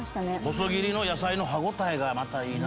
細切りの野菜の歯応えまたいい。